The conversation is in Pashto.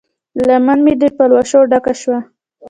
لمن مې د پلوشو ډکه شوه